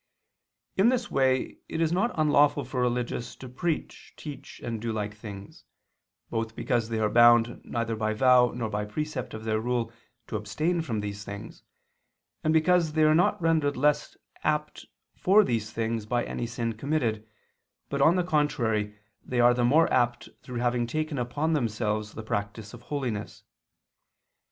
In this way it is not unlawful for religious to preach, teach, and do like things, both because they are bound neither by vow nor by precept of their rule to abstain from these things, and because they are not rendered less apt for these things by any sin committed, but on the contrary they are the more apt through having taken upon themselves the practice of holiness.